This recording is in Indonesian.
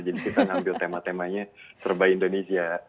kita ngambil tema temanya serba indonesia